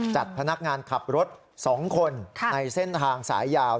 จัดพนักงานขับรถ๒คนในเส้นทางสายยาว